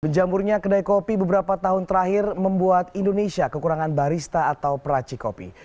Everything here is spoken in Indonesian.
menjamurnya kedai kopi beberapa tahun terakhir membuat indonesia kekurangan barista atau peraci kopi